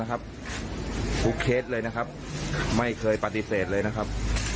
ทุกเคสเลยนะครับไม่เคยปฏิเสธเลยนะครับ